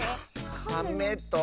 カメと。